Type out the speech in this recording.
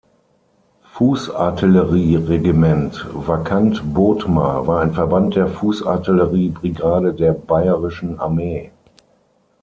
Fußartillerie-Regiment „vakant Bothmer“ war ein Verband der Fußartillerie-Brigade der Bayerischen Armee.